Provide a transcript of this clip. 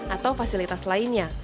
atau fasilitas lainnya